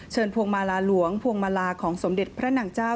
พวงมาลาหลวงพวงมาลาของสมเด็จพระนางเจ้า